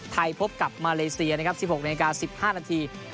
พบกับมาเลเซียนะครับ๑๖นาที๑๕นาที